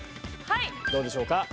どうでしょうか？